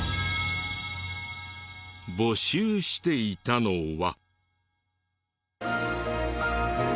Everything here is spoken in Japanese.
募集していたのは。